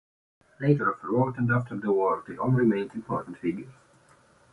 Later, throughout and after the war, they all remained important figures.